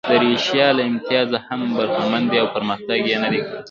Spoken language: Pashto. د ایروشیا له امتیازه هم برخمن دي او پرمختګ یې نه دی کړی.